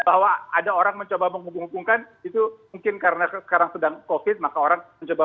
bahwa ada orang mencoba menghubung hubungkan itu mungkin karena sekarang sedang covid maka orang mencoba